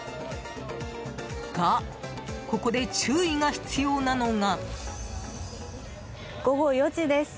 が、ここで注意が必要なのが。